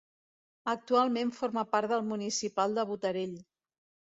Actualment forma part del municipal de Botarell.